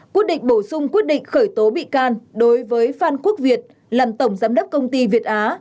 quyết định bổ sung quyết định khởi tố bị can đối với phan quốc việt làm tổng giám đốc công ty việt á